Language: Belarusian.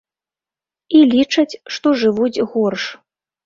І лічаць, што жывуць горш.